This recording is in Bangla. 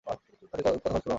তাতে কত খরচ পড়বে আমার?